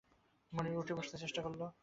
মুনির উঠে বসতে চেষ্টা করল।